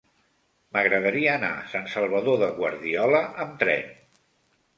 M'agradaria anar a Sant Salvador de Guardiola amb tren.